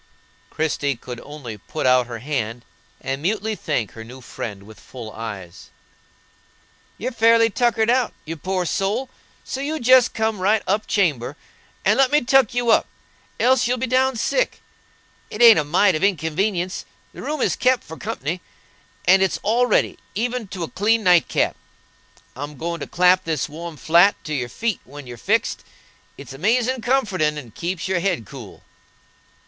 Christie could only put out her hand, and mutely thank her new friend with full eyes. "You're fairly tuckered out, you poor soul, so you jest come right up chamber and let me tuck you up, else you'll be down sick. It ain't a mite of inconvenience; the room is kep for company, and it's all ready, even to a clean night cap. I'm goin' to clap this warm flat to your feet when you're fixed; it's amazin' comfortin' and keeps your head cool."